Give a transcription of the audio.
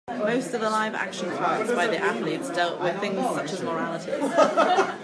Most of the live-action parts by the athletes dealt with things such as morality.